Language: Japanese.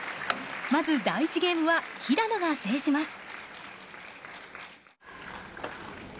まず、第１ゲームは平野が制します。